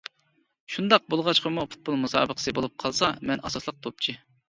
شۇنداق بولغاچقىمۇ پۇتبول مۇسابىقىسى بولۇپ قالسا مەن ئاساسلىق توپچى.